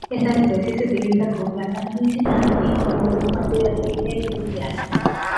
Esta especie se utiliza como planta medicinal y como una fuente de aceite esencial.